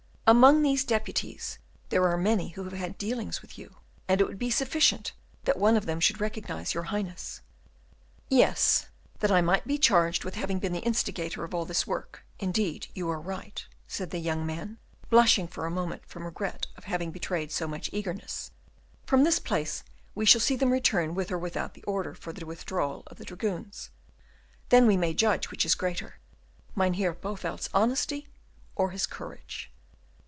"Among these deputies there are many who have had dealings with you, and it would be sufficient, that one of them should recognize your Highness." "Yes, that I might be charged with having been the instigator of all this work, indeed, you are right," said the young man, blushing for a moment from regret of having betrayed so much eagerness. "From this place we shall see them return with or without the order for the withdrawal of the dragoons, then we may judge which is greater, Mynheer Bowelt's honesty or his courage."